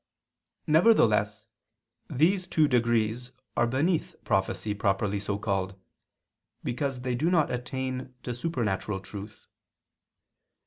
Nevertheless these two degrees are beneath prophecy properly so called, because they do not attain to supernatural truth.